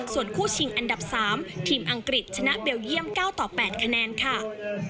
ส่วนคู่ชิงอันดับ๓ทีมอังกฤษชนะเบลเยี่ยม๙ต่อ๘คะแนนค่ะ